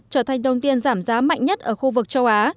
trở thành đồng tiền giảm giá mạnh nhất ở khu vực châu á